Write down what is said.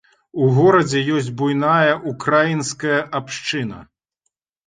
У горадзе ёсць буйная ўкраінская абшчына.